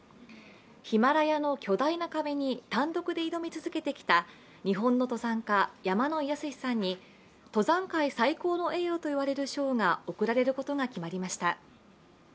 ヒマラヤの巨大な壁に単独で挑み続けてきた日本の登山家、山野井泰史さんに登山界最高の栄誉といわれる賞が贈られることが決まりました。